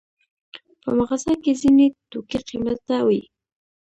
په مغازه کې ځینې توکي قیمته وي.